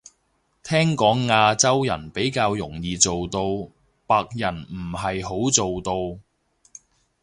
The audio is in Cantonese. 聽講亞洲人比較容易做到，白人唔係好做到